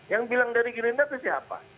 yang bilang dari gerindra itu siapa